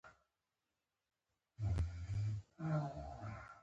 ډېر کسان په دې برخه کې پاتې راځي.